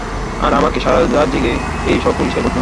আর আমাকে সারা রাত জেগে এই সব পরিষ্কার করতে হবে।